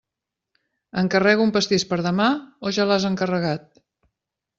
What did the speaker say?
Encarrego un pastís per demà o ja l'has encarregat?